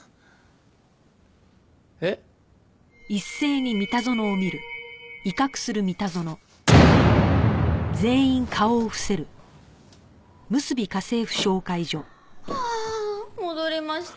えっ？はあ戻りました。